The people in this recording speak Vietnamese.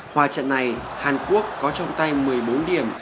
qua trận này hàn quốc có trong tay một mươi bốn điểm